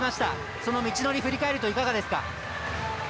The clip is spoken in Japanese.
その道のりを振り返るといかがですか？